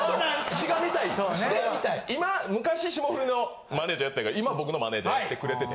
しがみたいで昔霜降りのマネジャーやったんが今僕のマネジャーやってくれてて。